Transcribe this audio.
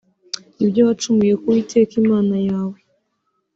ibyo wacumuye ku Uwiteka Imana yawe